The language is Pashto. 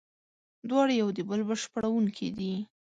دواړه یو د بل بشپړوونکي دي.